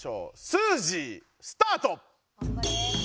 スージースタート！